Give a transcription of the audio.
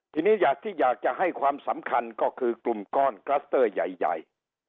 ทีนี้ที่อยากจะให้ความสำคัญก็คือกลุ่มก้อนคลัสเตอร์ใหญ่